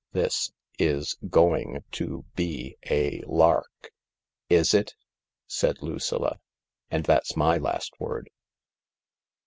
This. Is, Going. To. Be. A. Lark." " Is it ?" said Lucilla. " And that's my last word."